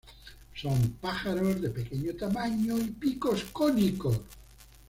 Son pájaros de pequeño tamaño y picos cónicos.